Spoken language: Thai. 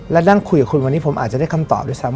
และนั่งคุยกับคุณวันนี้ผมอาจจะได้คำตอบด้วยซ้ำ